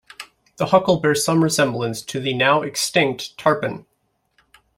The Hucul bears some resemblance to the now-extinct Tarpan.